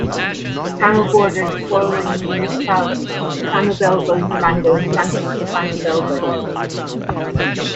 Camo borders the following municipalities: Cossano Belbo, Mango, Santo Stefano Belbo.